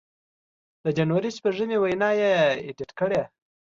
د جنوري شپږمې وینا یې اېډېټ کړې